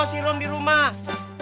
si rom di rumah